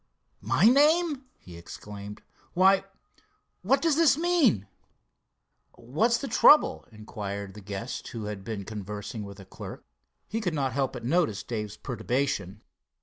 "My name!" he exclaimed. "Why, what does this mean?" "What's the trouble?" inquired the guest, who had been conversing with the clerk. He could not help but notice Dave's perturbation.